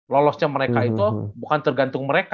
lolosnya mereka itu bukan tergantung mereka